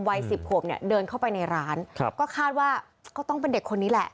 วัยสิบขวบเนี่ยเดินเข้าไปในร้านครับก็คาดว่าก็ต้องเป็นเด็กคนนี้แหละ